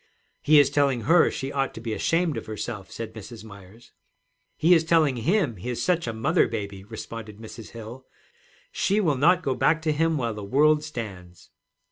'He is telling her she ought to be ashamed of herself,' said Mrs. Myers. 'He is telling him he is such a mother baby,' responded Mrs. Hill. 'She will not go back to him while the world stands.'